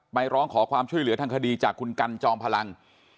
ร้องขอความช่วยเหลือทางคดีจากคุณกันจอมพลัง